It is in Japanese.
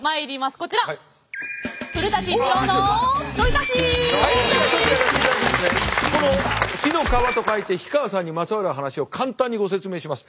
この火の川と書いて火川さんにまつわる話を簡単にご説明します。